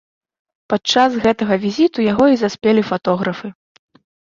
Падчас гэтага візіту яго і заспелі фатографы.